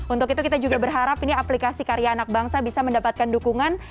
untuk itu kita juga berharap ini aplikasi karya anak bangsa bisa mendapatkan dukungan